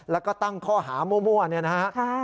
แล้วก็ตั้งข้อหามั่วเนี่ยนะฮะ